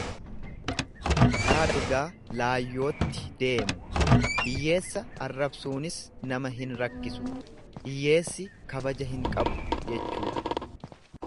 Karaa dalgaa laayyootti deemu, hiyyeessa arrabsuunis nama hin rakkisu, hiyyeessi kabaja hin qabu jechuudha.